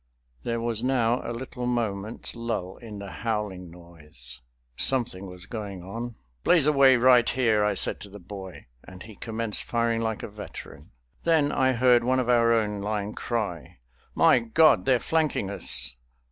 There was now a little moment's lull in the howling noise; something was going on. "Blaze away right here," I said to the boy, and he commenced firing like a veteran. Then I heard one of our own line cry, "My God, they're flanking us!"